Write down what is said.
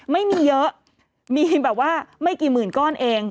ไม่มีเยอะมีแบบว่าไม่กี่หมื่นก้อนเอง